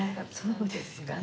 そうですね